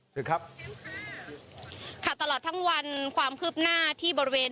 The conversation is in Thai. เถอะครับค่ะตลอดทั้งวันความคืบหน้าที่บริเวณ